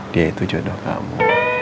dia itu jodoh kamu